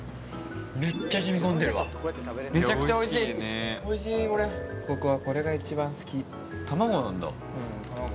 めっちゃ染み込んでるわめちゃくちゃおいしいおいしいこれ僕はこれが一番好き玉子なんだうん玉子